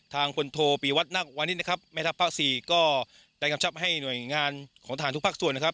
ทางพลโทปีวัดนักวานิสนะครับแม่ทัพภาคสี่ก็ได้กำชับให้หน่วยงานของทหารทุกภาคส่วนนะครับ